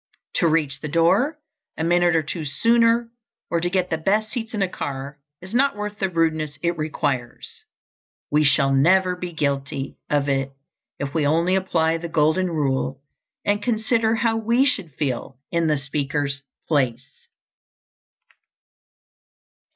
To reach the door a minute or two sooner, or to get the best seats in a car, is not worth the rudeness it requires. We shall never be guilty of it if we only apply the Golden Rule and consider how we should feel in the speaker's place.